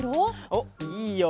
おっいいよ。